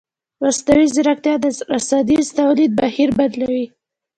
مصنوعي ځیرکتیا د رسنیز تولید بهیر بدلوي.